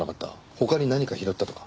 他に何か拾ったとか。